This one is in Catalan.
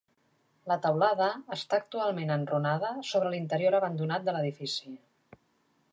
La teulada està actualment enrunada sobre l'interior abandonat de l'edifici.